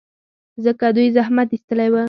ځکه دوی زحمت ایستلی و.